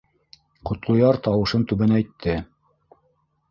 Ҡотлояр тауышын түбәнәйтте.